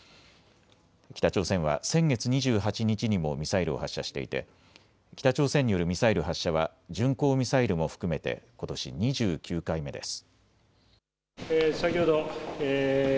北朝鮮は先月２８日にもミサイルを発射していて北朝鮮によるミサイル発射は巡航ミサイルも含めてことし２９回目です。